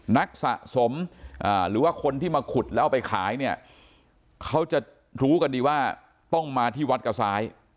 นักสะสมหรือว่าคนที่มาขุดแล้วเอาไปขายเนี่ยเขาจะรู้กันดีว่าต้องมาที่วัดกระซ้าย